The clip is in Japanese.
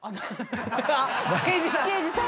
刑事さん。